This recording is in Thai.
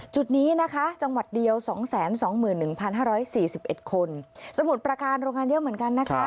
จุดนี้นะคะจังหวัดเดียว๒๒๑๕๔๑คนสมุทรประการโรงงานเยอะเหมือนกันนะคะ